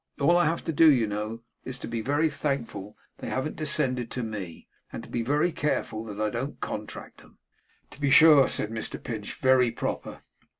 All I have to do, you know, is to be very thankful that they haven't descended to me, and, to be very careful that I don't contract 'em.' 'To be sure,' said Mr Pinch. 'Very proper.